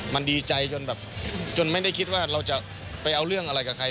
มันดีใจจนแบบจนไม่ได้คิดว่าเราจะไปเอาเรื่องอะไรกับใคร